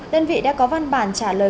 đơn vị đã có văn bản trả lời